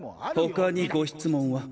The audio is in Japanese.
他にご質問は？